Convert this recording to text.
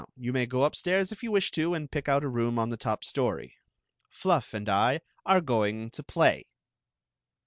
2) 8o Queen Zixi of Ix you may go upstairs if you wish to and pick out a room on the top story. Fluflf and I are going to play."